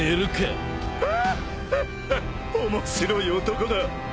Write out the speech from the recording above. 面白い男だ。